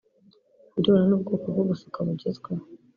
Ku birebana n’ubwoko bwo gusuka bugezweho